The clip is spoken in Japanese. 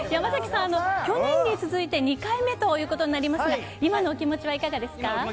去年に続いて２回目ということになりますが今のお気持ちはいかがですか？